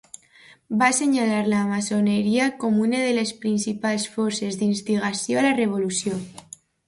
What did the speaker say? Va assenyalar la maçoneria com una de les principals forces d'instigació a la revolució.